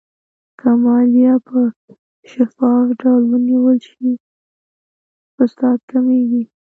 که مالیه په شفاف ډول ونیول شي، فساد کمېږي.